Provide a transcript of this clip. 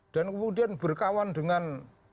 dan kemudian berkawan dengan